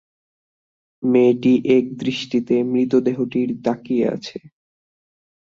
মেয়েটি একদৃষ্টিতে মৃতদেহটির তাকিয়ে আছে।